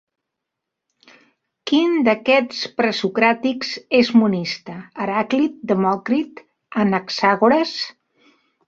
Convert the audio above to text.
Quin d'aquests presocràtics és monista: Heràclit, Demòcrit, Anaxàgores?